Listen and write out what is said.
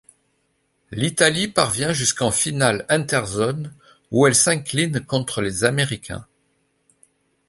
L'Italie parvient jusqu'en finale interzone où elle s'incline contre les américains.